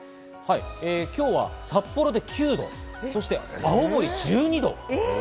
今日は札幌で９度、そして青森１２度。